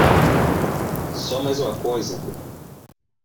Só mais uma coisa.